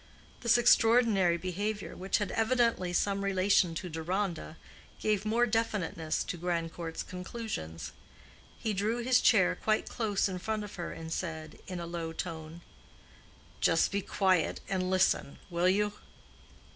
This extraordinary behavior, which had evidently some relation to Deronda, gave more definiteness to Grandcourt's conclusions. He drew his chair quite close in front of her, and said, in a low tone, "Just be quiet and listen, will you?"